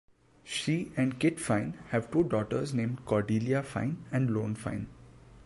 She and Kit Fine have two daughters named Cordelia Fine and Ione Fine.